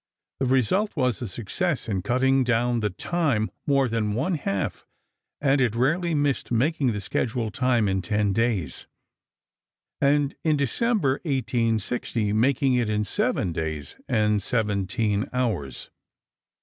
The result was a success in cutting down the time more than one half, and it rarely missed making the schedule time in ten days, and in December, 1860, making it in seven days and seventeen hours.